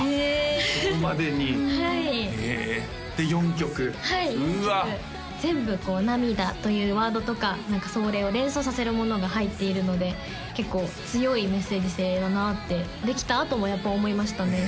そこまでにへえはいで４曲うわっはい４曲全部涙というワードとかそれを連想させるものが入っているので結構強いメッセージ性だなってできたあともやっぱ思いましたね